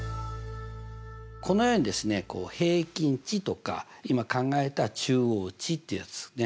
このようにですね平均値とか今考えた中央値ってやつね。